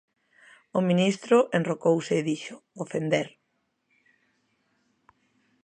O ministro enrocouse e dixo: 'ofender'.